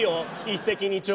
一石二鳥。